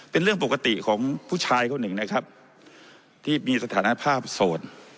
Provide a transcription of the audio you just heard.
เป็นเรื่องปกติของผู้ชายคนหนึ่งนะครับที่มีสถานภาพโสด